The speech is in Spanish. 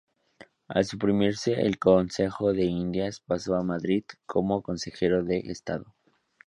Al suprimirse el Consejo de Indias, pasó a Madrid como consejero de Estado.